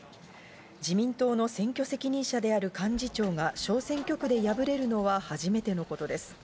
自民党の選挙責任者である幹事長が小選挙区で敗れるのは初めてのことです。